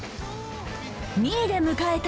２位で迎えた